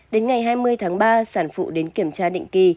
đến ngày hai mươi tháng ba sản phụ đến kiểm tra định kỳ